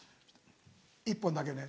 「１本だけね」。